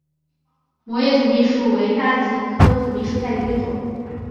膜叶土蜜树为大戟科土蜜树属下的一个种。